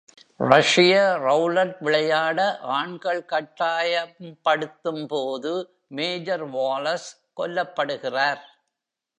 ரஷ்ய ரௌலட் விளையாட ஆண்கள் கட்டாயம் படுத்தும்போது மேஜர் வாலஸ் கொல்லப்படுகிறார்.